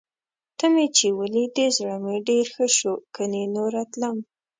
ته مې چې ولیدې، زړه مې ډېر ښه شو. کني نوره تلم.